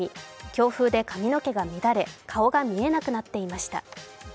強風で髪の毛が乱れ顔が見えなくなっていました。